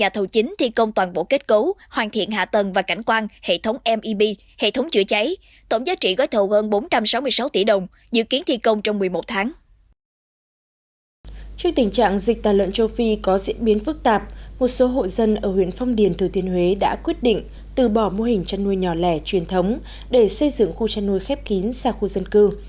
trước tình trạng dịch tàn lợn châu phi có diễn biến phức tạp một số hội dân ở huyện phong điền thừa thiên huế đã quyết định từ bỏ mô hình chăn nuôi nhỏ lẻ truyền thống để xây dựng khu chăn nuôi khép kín xa khu dân cư